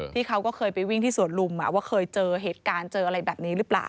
เขาก็เคยไปวิ่งที่สวนลุมว่าเคยเจอเหตุการณ์เจออะไรแบบนี้หรือเปล่า